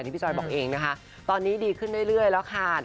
พี่จอยบอกเองนะคะตอนนี้ดีขึ้นเรื่อยแล้วค่ะ